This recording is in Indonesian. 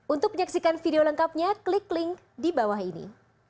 untuk menyaksikan video lengkapnya klik link di bawah ini